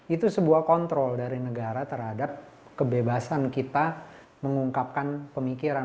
itu sebuah kontrol dari negara terhadap kebebasan kita mengungkapkan pemikiran